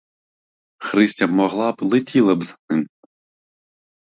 Христя могла б — летіла за ним.